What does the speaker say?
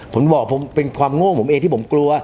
ผมบอกผมเป็นความโง่ผมเองที่ผมกลัว